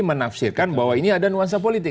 menafsirkan bahwa ini ada nuansa politik